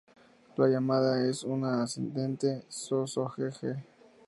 La llamada es una ascendente "zzoo-zeh-zee-zee".